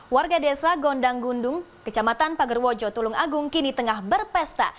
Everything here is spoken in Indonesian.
warga desa gondang gundung kecamatan pagerwojo tulung agung kini tengah berpesta